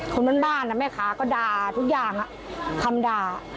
คนบ้านแม่ค้าก็ด่าทุกอย่างคำด่า